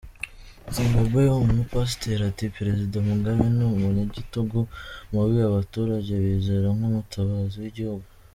Zimbabwe: Umupasiteri ati “Perezida Mugabe ni umunyagitugu mubi abaturage bizera nk’umutabazi w’igihugu”.